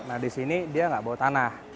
nah disini dia gak bawa tanah